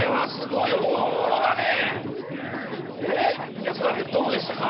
安村くんどうでしたか？